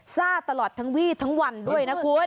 ซ่าตลอดทั้งวี่ทั้งวันด้วยนะคุณ